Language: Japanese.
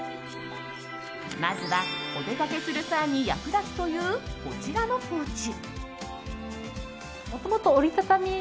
まずはお出かけする際に役立つというこちらのポーチ。